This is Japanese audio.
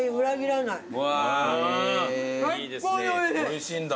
おいしいんだ。